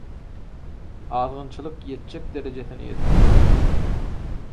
Azgynçylyk ýetjek derejesine ýetdi.